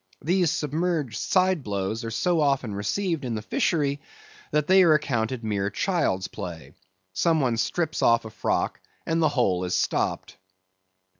These submerged side blows are so often received in the fishery, that they are accounted mere child's play. Some one strips off a frock, and the hole is stopped.